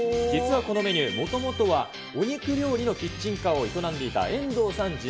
実はこのメニュー、もともとはお肉料理のキッチンカーを営んでいた遠藤さん